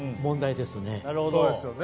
そうですよね。